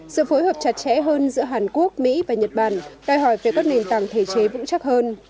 sự phối hợp chặt chẽ hơn giữa hàn quốc mỹ và nhật bản đòi hỏi về các nền tảng thể chế vững chắc hơn